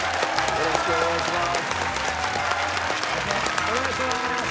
よろしくお願いします。